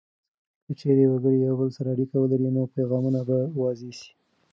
که چیرته وګړي یو بل سره اړیکه ولري، نو پیغامونه به واضح سي.